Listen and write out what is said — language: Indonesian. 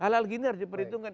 halal gini harus diperhitungkan